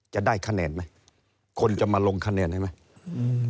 จะได้คะแนนไหมคนจะมาลงคะแนนให้ไหมอืม